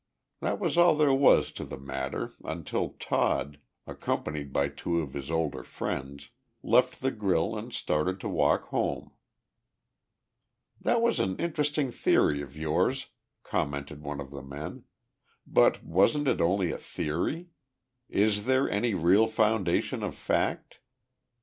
That was all there was to the matter until Todd, accompanied by two of his older friends, left the grill and started to walk home. "That was an interesting theory of yours," commented one of the men, "but wasn't it only a theory? Is there any real foundation of fact?"